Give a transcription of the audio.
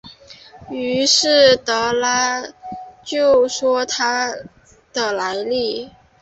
于是德拉就说出他的来历。